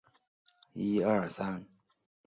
原籍无锡。